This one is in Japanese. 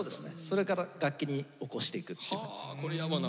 それから楽器に起こしていくって感じ。